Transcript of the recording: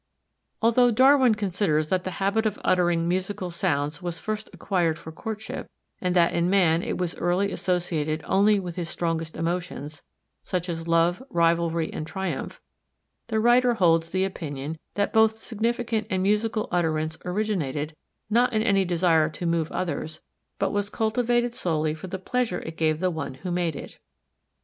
Although Darwin considers that the habit of uttering musical sounds was first acquired for courtship, and that in man it was early associated only with his strongest emotions, such as love, rivalry, and triumph, the writer holds the opinion that both significant and musical utterance originated not in any desire to move others, but was cultivated solely for the pleasure it gave the one who made it.